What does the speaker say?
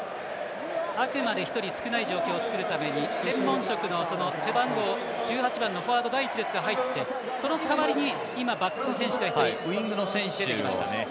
あくまで１人少ない状況を作るために専門職の背番号１８番のフォワード第１列から入ってその代わりに今、バックスの選手が一人入ってきました。